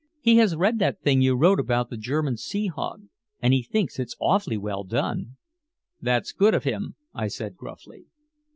"He has read that thing you wrote about the German sea hog, and he thinks it's awfully well done." "That's good of him," I said gruffly.